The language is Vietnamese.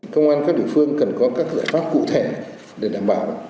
công an các địa phương cần có các giải pháp cụ thể để đảm bảo